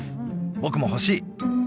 僕も欲しい！